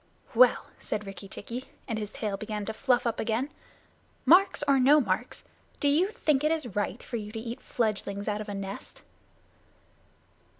"Well," said Rikki tikki, and his tail began to fluff up again, "marks or no marks, do you think it is right for you to eat fledglings out of a nest?"